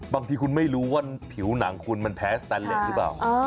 บางทีคุณไม่รู้ว่าผิวหนังคุณมันแพ้สแตนเล็ตหรือเปล่า